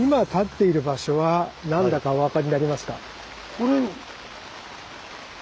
これ。